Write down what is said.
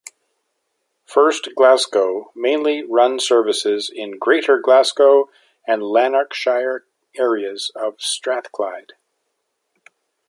First Glasgow mainly run services in Greater Glasgow and Lanarkshire areas of Strathclyde.